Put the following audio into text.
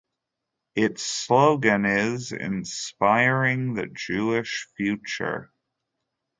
Its slogan is "Inspiring the Jewish Future".